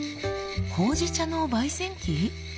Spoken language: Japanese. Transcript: ほうじ茶の焙煎機？